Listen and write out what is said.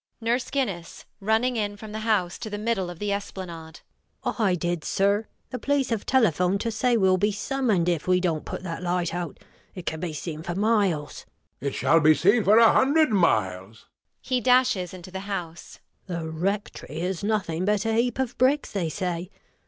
NURSE GUINNESS [running in from the house to the middle of the esplanade]. I did, sir. The police have telephoned to say we'll be summoned if we don't put that light out: it can be seen for miles. HECTOR. It shall be seen for a hundred miles [he dashes into the house]. NURSE GUINNESS. The Rectory is nothing but a heap of bricks, they say.